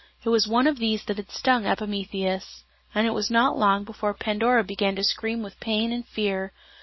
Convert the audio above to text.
It was one of these that had stung Epimetheus, and it was not long before Pandora began to scream with pain and fear.